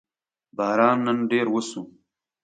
باران نن ډېر وشو